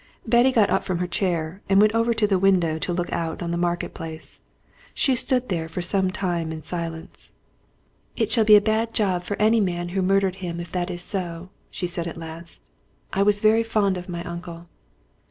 Betty got up from her chair and went over to the window to look out on the Market Place. She stood there some time in silence. "It shall be a bad job for any man who murdered him if that is so," she said at last. "I was very fond of my uncle."